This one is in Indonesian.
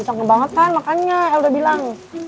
sangat banget kan makannya el udah bilang